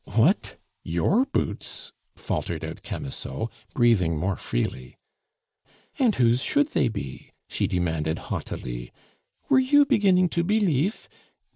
"What?... your boots?"... faltered out Camusot, breathing more freely. "And whose should they be?" she demanded haughtily. "Were you beginning to believe?